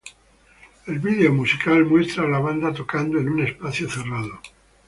El video musical muestra a la banda tocando en un espacio cerrado.